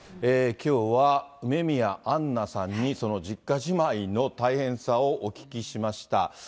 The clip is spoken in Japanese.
きょうは梅宮アンナさんにその実家じまいの大変さをお聞きしました。